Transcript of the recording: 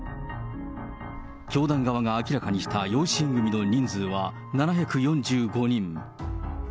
教団側が明らかにした養子縁組の人数は、７４５人。